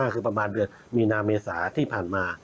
คือประมาณวินาเมษาที่ผ่านมา